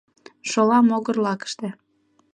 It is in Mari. Шола могыр лакыште.